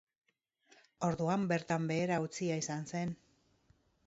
Orduan bertan behera utzia izan zen.